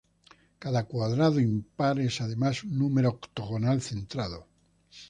Cada cuadrado impar es además un número octogonal centrado.